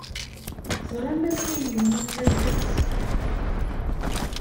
Teẓram amek ay yemmut baba-s?